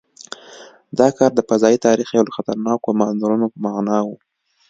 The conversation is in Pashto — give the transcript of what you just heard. دا کار د فضايي تاریخ یو له خطرناکو مانورونو په معنا و.